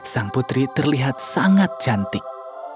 sang putri terlihat sangat cantik